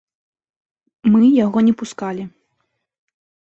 Мы яго не пускалі.